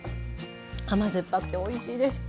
甘酸っぱくておいしいです。